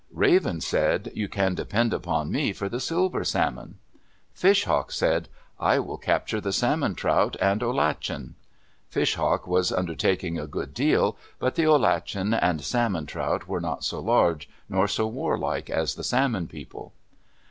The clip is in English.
Raven said, "You can depend upon me for the Silver Salmon." Fish Hawk said, "I will capture the Salmon Trout and Olachen." Fish Hawk was undertaking a good deal, but the olachen and salmon trout were not so large, nor so warlike as the Salmon People.